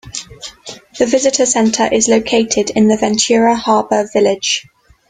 The visitor center is located in the Ventura Harbor Village.